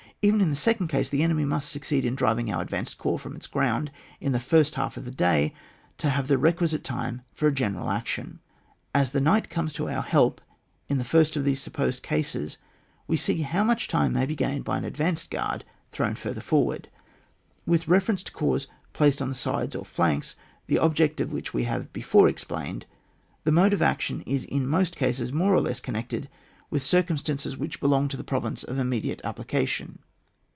Even in the second case the enemy must succeed in driving our advanced guard from its ground in the first half of the day to have the requisite time for a general action. As the night comes to our help in the first of these supposed cases, we see how much time may be gained by an advanced guard thrown further forward. With reference to corps placed on the sides or flanks, the object of which we have before explained, the mode of action is in most cases more or less connected with circumstances which belong to the province of immediate application.